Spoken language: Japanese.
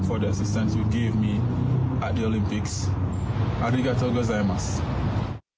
ありがとうございます。